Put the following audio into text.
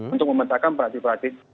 untuk memetakan prati prati